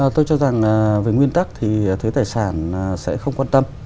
tôi cho rằng về nguyên tắc thì thuế tài sản sẽ không quan tâm